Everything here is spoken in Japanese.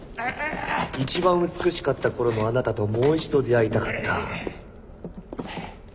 一番美しかった頃のあなたともう一度出会いたかった。